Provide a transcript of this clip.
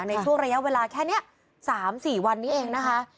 ในช่วงระยะเวลาแค่นี้๓๔วันนี้เองนะคะ